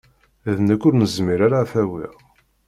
D nekk ur nezmir ara ad t-awiɣ.